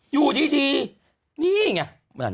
อยู่ดีนี่ไง